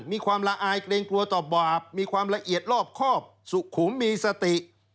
มีความละอายเกรงกลัวต่อบาปมีความละเอียดรอบครอบสุขุมมีสติ